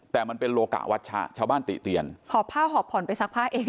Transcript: แต่มันเป็นโลกะวัชชะชาวบ้านติเตียนหอบผ้าหอบผ่อนไปซักผ้าเอง